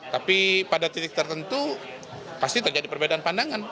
tapi pada titik tertentu pasti terjadi perbedaan pandangan